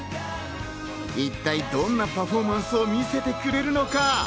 一体どんなパフォーマンスを見せてくれるのか？